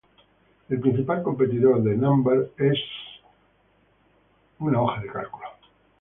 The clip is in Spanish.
El principal competidor de Numbers es Microsoft Excel.